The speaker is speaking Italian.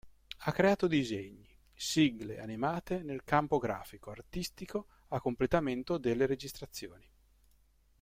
Ha creato disegni, sigle animate nel campo grafico artistico a completamento delle registrazioni.